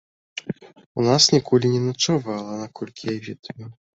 У нас ніколі не начавала, наколькі я ведаю.